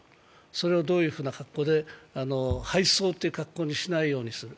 それをどういうふうな格好で、敗走って格好にしないようにする。